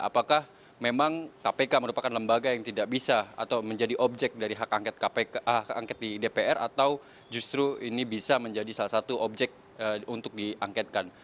apakah memang kpk merupakan lembaga yang tidak bisa atau menjadi objek dari hak angket di dpr atau justru ini bisa menjadi salah satu objek untuk diangketkan